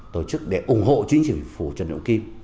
tổ chức để ủng hộ chính phủ trần động kim